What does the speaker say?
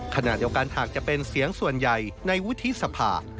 ขณะเดียวกันหากจะเป็นเสียงส่วนใหญ่ในวุฒิสภา